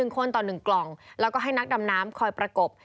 คนต่อ๑กล่องแล้วก็ให้นักดำน้ำคอยประกบ